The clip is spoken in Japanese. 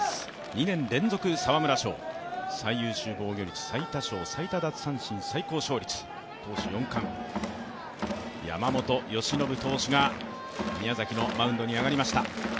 ２年連続沢村賞、最優秀防御率、最多勝、最多奪三振、最高勝率投手４冠、山本由伸投手が宮崎のマウンドに上がりました。